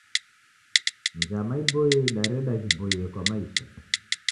Njama iboie idareda ghiboie kwa maisha.